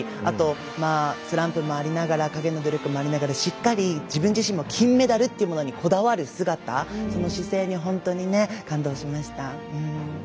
あと、スランプもありながら陰の努力もありながらしっかり自分自身も金メダルっていうものにこだわる姿その姿勢に本当に感動しました。